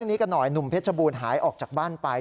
นี้กันหน่อยหนุ่มเพชรบูรณ์หายออกจากบ้านไป